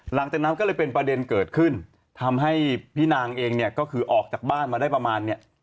หลังจากนั้นก็เลยเป็นประเด็นเกิดขึ้นทำให้พี่นางเองเนี่ยก็คือออกจากบ้านมาได้ประมาณเนี่ย